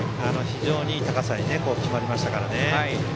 非常にいい高さに決まりましたね。